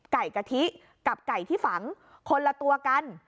กะทิกับไก่ที่ฝังคนละตัวกัน